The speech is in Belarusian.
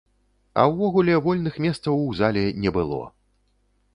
А ўвогуле, вольных месцаў у зале не было!